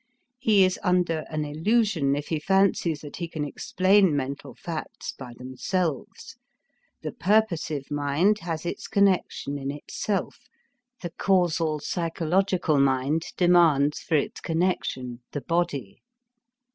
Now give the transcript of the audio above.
He is under an illusion if he fancies that he can explain mental facts by themselves. The purposive mind has its connection in itself, the causal psychological mind demands for its connection the body.